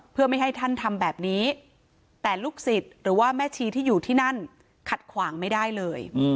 เพื่อไม่ให้ท่านทำแบบนี้แต่ลูกศิษย์หรือว่าแม่ชีที่อยู่ที่นั่นขัดขวางไม่ได้เลย